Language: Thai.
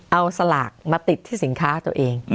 เอาสลากมาติดที่สินค้าตัวเอง